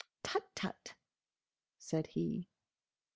"Tut, tut!" said he.